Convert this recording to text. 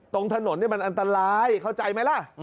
ตรงถนนนี่มันอันตรายเข้าใจไหมล่ะ